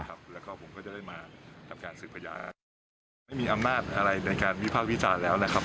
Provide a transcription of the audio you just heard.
ไม่มีอำนาจอะไรในการวิภาควิจารณ์แล้วนะครับ